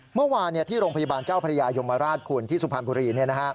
เมื่อวานที่โรงพยาบาลเจ้าพระยายมราชคุณที่สุพรรณบุรี